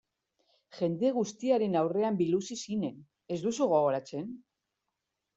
Jende guztiaren aurrean biluzi zinen, ez duzu gogoratzen?